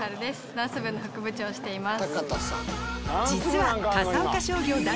ダンス部の副部長をしています。